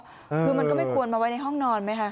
คือมันก็ไม่ควรมาไว้ในห้องนอนไหมคะ